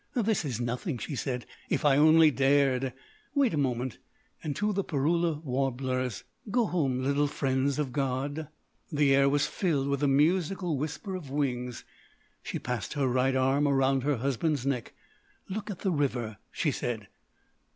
"This is nothing," she said. "If I only dared—wait a moment!— " And, to the Parula warblers: "Go home, little friends of God!" The air was filled with the musical whisper of wings. She passed her right arm around her husband's neck. "Look at the river," she said.